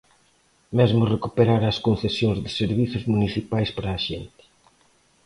Mesmo recuperar as concesións de servizos municipais para a xente.